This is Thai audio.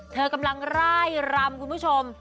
เธอกำลังไล่รำคุณผู้ชม